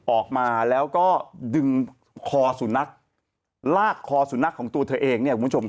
ออกมาแล้วก็ดึงคอสุนัขลากคอสุนัขของตัวเธอเอง